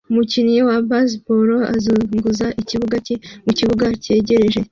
Umukinnyi wa baseball azunguza ikibuga cye mukibuga cyegereje